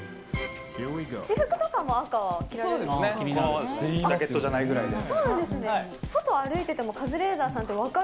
私服とかも赤、着られるんですか？